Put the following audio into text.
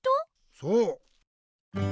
そう！